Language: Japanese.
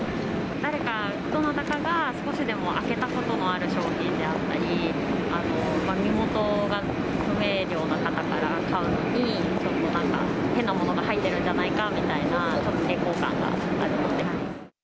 誰かが、どなたかが開けたことのある商品であったり、身元が不明瞭な方から買うのに、ちょっとなんか変なものが入ってるんじゃないかみたいな、ちょっと抵抗感があるので。